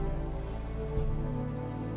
aku mau pulang